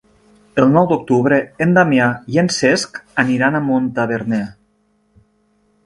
El nou d'octubre en Damià i en Cesc aniran a Montaverner.